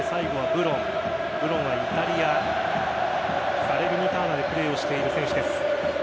ブロンはイタリアサレルニターナでプレーをしている選手です。